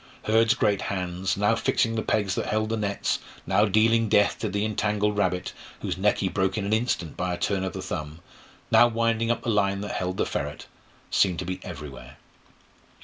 Hurd's great hands now fixing the pegs that held the nets, now dealing death to the entangled rabbit, whose neck he broke in an instant by a turn of the thumb, now winding up the line that held the ferret seemed to be everywhere.